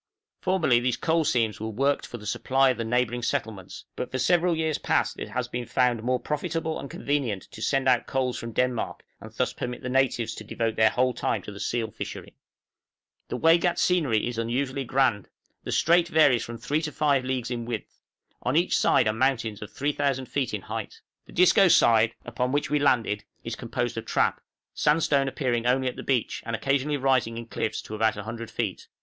Formerly these coal seams were worked for the supply of the neighboring settlements, but for several years past it has been found more profitable and convenient to send out coals from Denmark, and thus permit the natives to devote their whole time to the seal fishery. {COALING WAIGAT SCENERY.} The Waigat scenery is unusually grand; the strait varies from 3 to 5 leagues in width; on each side are mountains of 3000 feet in height. The Disco side, upon which we landed, is composed of trap, sandstone appearing only at the beach, and occasionally rising in cliffs to about 100 feet.